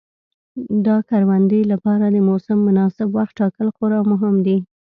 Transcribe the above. د کروندې لپاره د موسم مناسب وخت ټاکل خورا مهم دي.